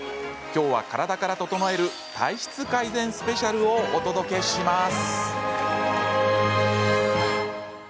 きょうは、体から整える体質改善スペシャルをお届けします。